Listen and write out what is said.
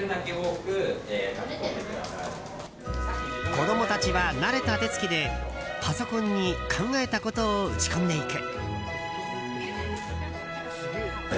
子供たちは慣れた手つきでパソコンに考えたことを打ち込んでいく。